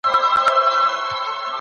د مېوو په خوړلو سره د بدن رنګ ښه کیږي.